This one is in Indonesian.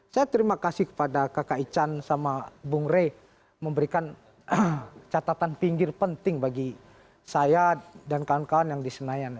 saya terima kasih kepada kakak ican sama bung rey memberikan catatan pinggir penting bagi saya dan kawan kawan yang di senayan